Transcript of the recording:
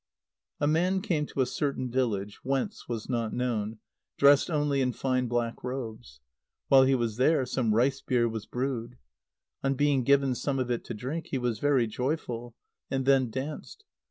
_ A man came to a certain village whence was not known, dressed only in fine black robes. While he was there, some rice beer was brewed. On being given some of it to drink, he was very joyful, and then danced.